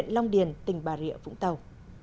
long điền tỉnh bà rịa vũng tàu